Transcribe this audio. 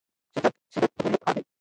سېځگه سېبت د بوري غر دی.